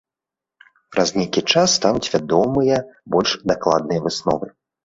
Праз нейкі час стануць вядомыя больш дакладныя высновы.